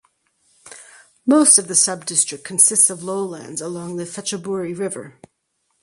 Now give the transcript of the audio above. Most of the subdistrict consists of lowlands along the Phetchaburi River.